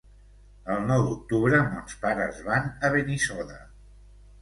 El nou d'octubre mons pares van a Benissoda.